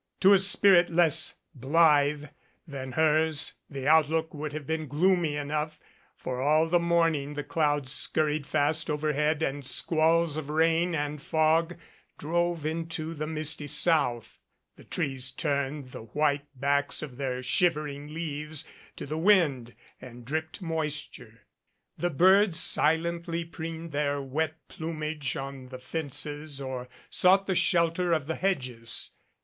To a spirit less blithe than hers the outlook would have been gloomy enough, for all the morn ing the clouds skurried fast overhead and squalls of rain 128 FAGABONDIA and fog drove into the misty south. The trees turned the white backs of their shivering leaves to the wind and dripped moisture. The birds silently preened their wet plumage on the fences or sought the shelter of the hedges.